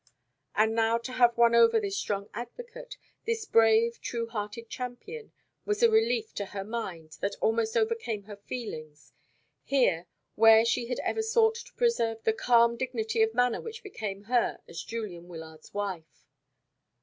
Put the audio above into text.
And now to have won over this strong advocate, this brave, true hearted champion, was a relief to her mind that almost overcame her feelings; here, where she had ever sought to preserve the calm dignity of manner which became her as Julian Wyllard's wife.